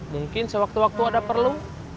mungkin sewaktu waktu ada perlu